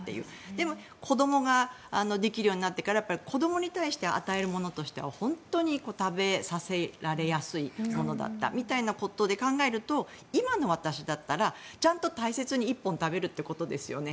でも、子どもができるようになってからは子どもに対して与えるものとしては本当に食べさせられやすいものだったみたいなことで考えると今の私だったら、ちゃんと大切に１本食べるということですね。